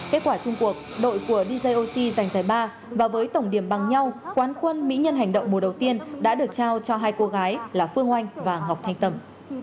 kết quả chung cuộc đội của djoc giành giải ba và với tổng điểm bằng nhau quán quân mỹ nhân hành động mùa đầu tiên đã được trao cho hai cô gái là phương oanh và ngọc thanh tẩm